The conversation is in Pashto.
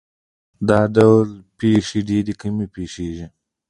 دا ډول پېښې ډېرې کمې پېښېږي.